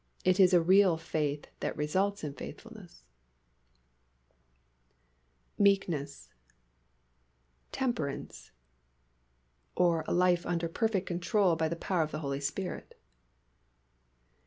It is a real faith that results in faithfulness)—"meekness"—"temperance" (or a life under perfect control by the power of the Holy Spirit).